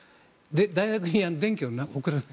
大学に電気を送るのを。